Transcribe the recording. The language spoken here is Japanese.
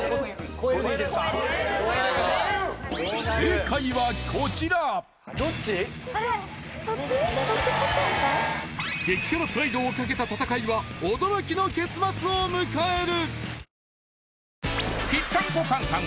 超える正解はこちら激辛プライドをかけた戦いは驚きの結末を迎える！